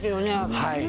はい。